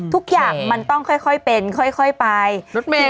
ทุกอย่างมันต้องค่อยเป็นค่อยไปรถเมย์